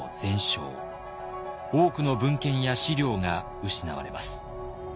多くの文献や資料が失われます。